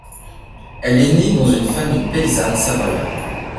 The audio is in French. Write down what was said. Elle est née dans une famille paysanne savoyarde.